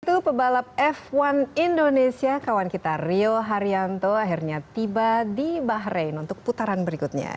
itu pebalap f satu indonesia kawan kita rio haryanto akhirnya tiba di bahrain untuk putaran berikutnya